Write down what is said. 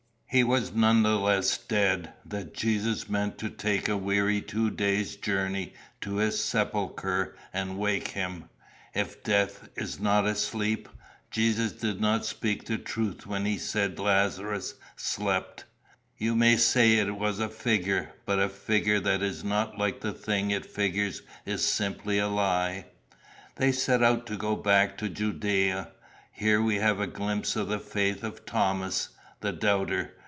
He was none the less dead that Jesus meant to take a weary two days' journey to his sepulchre and wake him. If death is not a sleep, Jesus did not speak the truth when he said Lazarus slept. You may say it was a figure; but a figure that is not like the thing it figures is simply a lie. "They set out to go back to Judæa. Here we have a glimpse of the faith of Thomas, the doubter.